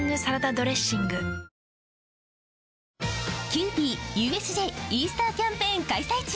キユーピーＵＳＪイースターキャンペーン開催中！